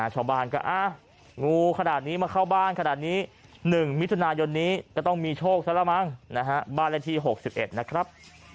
ชาวบ้านก็งูขนาดนี้มาเข้าบ้านขนาดนี้๑มิถุนายนนี้ก็ต้องมีโชคซะละมั้งบ้านเลขที่๖๑นะครับ